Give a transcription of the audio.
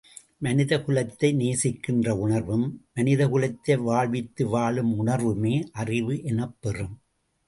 மனித குலத்தை நேசிக்கின்ற உணர்வும், மனித உலகத்தை வாழ்வித்து வாழும் உணர்வுமே அறிவு எனப்பெறும்.